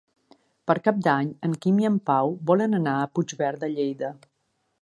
Per Cap d'Any en Quim i en Pau volen anar a Puigverd de Lleida.